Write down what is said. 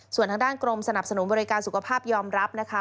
ส่วนทางด้านกรมสนับสนุนบริการสุขภาพยอมรับนะคะ